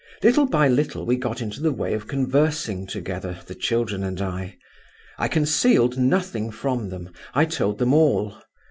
Little by little we got into the way of conversing together, the children and I. I concealed nothing from them, I told them all.